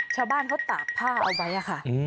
ชาวบ้านเขาตากผ้าเอาไว้ค่ะ